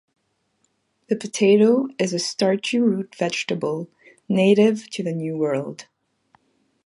The potato is a starchy root vegetable native to the New World.